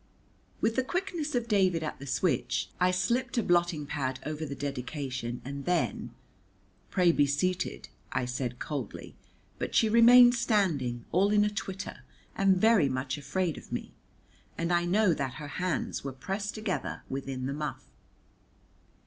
With the quickness of David at the switch, I slipped a blotting pad over the dedication, and then, "Pray be seated," I said coldly, but she remained standing, all in a twitter and very much afraid of me, and I know that her hands were pressed together within the muff.